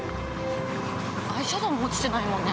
アイシャドウも落ちてないもんね。